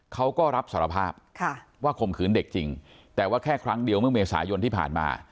เขาก็รับสารภาพว่าข่มขืนเด็กจริงแต่ว่าแค่ครั้งเดียวเมื่อเมษายนที่ผ่านมา